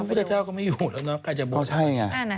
พระพุทธเจ้าก็ไม่อยู่แล้วใครจะบวชให้